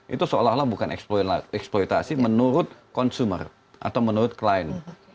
itu seolah olah bukan eksploitasi menurut consumer atau menurut klien